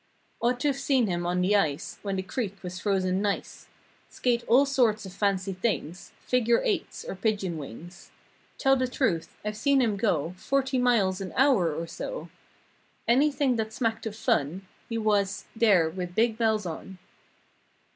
Ought to've seen him on the ice When the creek was frozen nice— Skate all sorts of fancy things— Figure eights or pigeon wings. Tell the truth I've seen him go Forty miles an hour or so. Anything that smacked of fun He was "there with big bells on."